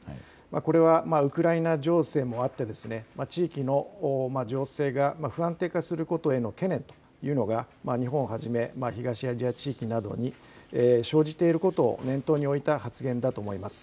これはウクライナ情勢もあって地域の情勢が不安定化することへの懸念というのが日本をはじめ東アジア地域などに生じていることを念頭に置いた発言だと思います。